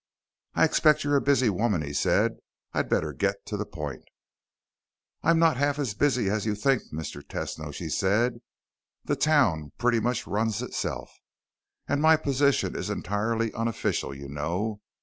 "I expect you're a busy woman," he said. "I'd better get to the point." "I'm not half as busy as you'd think, Mr. Tesno," she said. "The town pretty much runs itself. And my position is entirely unofficial, you know.